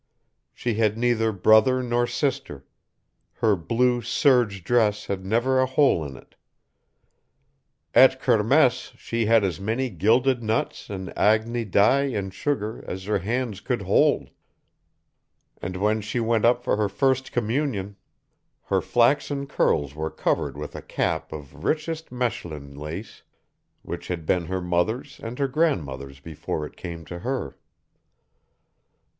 She had neither brother nor sister; her blue serge dress had never a hole in it; at Kermesse she had as many gilded nuts and Agni Dei in sugar as her hands could hold; and when she went up for her first communion her flaxen curls were covered with a cap of richest Mechlin lace, which had been her mother's and her grandmother's before it came to her.